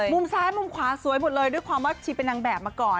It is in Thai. มุมซ้ายมุมขวาสวยหมดเลยด้วยความว่าชีเป็นนางแบบมาก่อน